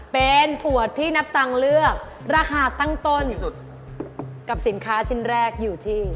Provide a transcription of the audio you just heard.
เป็นถั่วที่นับตังค์เลือกราคาตั้งต้นกับสินค้าชิ้นแรกอยู่ที่